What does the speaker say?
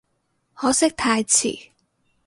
可惜太遲